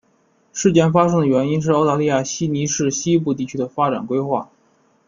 事件发生的原因是澳大利亚悉尼市的西部地区的发展规划。